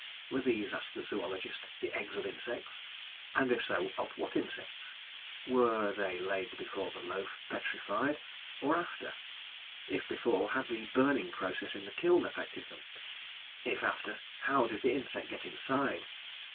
Were these, asked the zoologist, the eggs of insects, and, if so, of what insects? Were they laid before the loaf petrified, or after? If before, had the burning process in the kiln affected them? If after, how did the insect get inside?